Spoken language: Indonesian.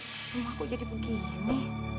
rumah kok jadi begini